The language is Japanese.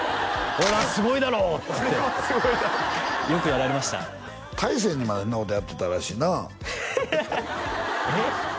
「ほらすごいだろ」っつってよくやられました大成にまでそんなことやってたらしいなえっ？